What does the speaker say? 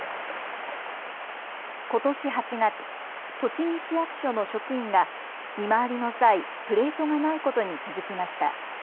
ことし８月、栃木市役所の職員が見回りの際、プレートがないことに気付きました。